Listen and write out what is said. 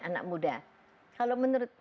anak muda kalau menurut